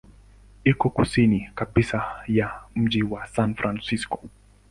Iko kusini kabisa ya mji wa San Francisco.